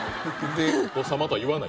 「お子様」とは言わない。